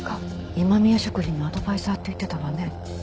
今宮食品のアドバイザーって言ってたわね。